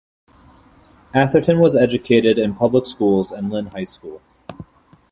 Atherton was educated in public schools and Lynn high school.